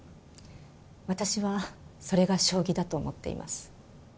私はそれが将棋だと思っています。